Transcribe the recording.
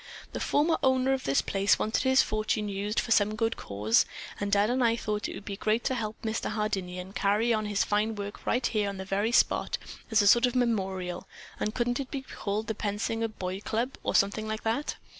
"The former owner of this place wanted his fortune used for some good cause, and Dad and I thought that it would be great to help Mr. Hardinian carry on his fine work right here on this very spot as a sort of memorial, and couldn't it be called The Pensinger Boys' Club, or something like that?"